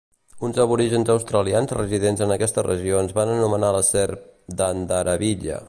Uns aborígens australians residents en aquestes regions van anomenar la serp "Dandarabilla".